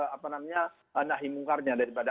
apa namanya nahimungkarnya daripada